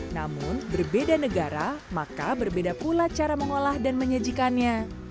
namun berbeda negara maka berbeda pula cara mengolah dan menyajikannya